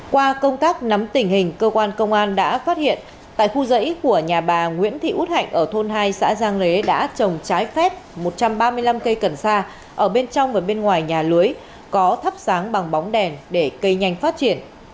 qua công tác nắm tình hình cơ quan công an đã phát hiện tại khu dãy của nhà bà nguyễn thị út hạnh ở thôn hai xã giang lễ đã trồng trái phép một trăm ba mươi năm cây cần sa ở bên trong và bên ngoài nhà lưới có thắp sáng bằng bóng đèn để cây nhanh phát triển